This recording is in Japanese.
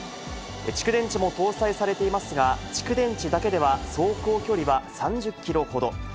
蓄電池も搭載されていますが、蓄電池だけでは走行距離は３０キロほど。